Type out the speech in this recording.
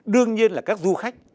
đương nhiên là các du khách